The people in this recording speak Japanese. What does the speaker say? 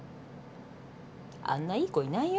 あんないい子いないよ。